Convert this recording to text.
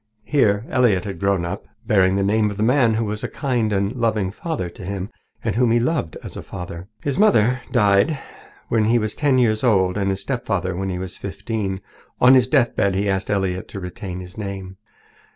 Here Elliott had grown up, bearing the name of the man who was a kind and loving father to him, and whom he loved as a father. His mother had died when he was ten years old and his stepfather when he was fifteen. On his deathbed he asked Elliott to retain his name.